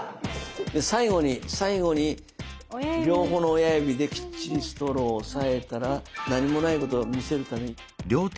最後に両方の親指できっちりストローを押さえたら何もないことを見せるためにパッて開くんですね。